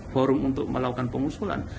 forum untuk melakukan pengusulan